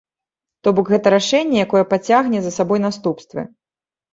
То бок гэта рашэнне, якое пацягне за сабой наступствы.